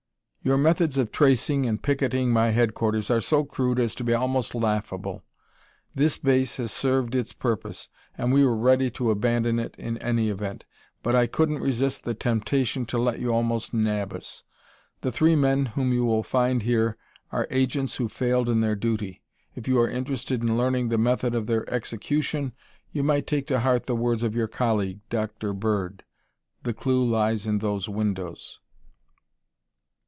"Your methods of tracing and picketing my headquarters are so crude as to be almost laughable. This base has served its purpose and we were ready to abandon it in any event, but I couldn't resist the temptation to let you almost nab us. The three men whom you will find here are agents who failed in their duty. If you are interested in learning the method of their execution, you might take to heart the words of your colleague, Dr. Bird: 'The clue lies in those windows.'"